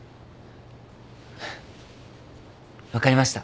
分かりました。